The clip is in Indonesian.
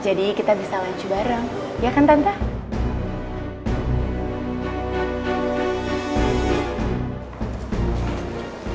jadi kita bisa lanjut bareng ya kan tante